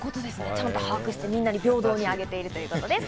ちゃんと把握して平等にあげているということです。